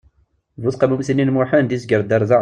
Bu tqamumt-nni n Muḥend izger-d ar da.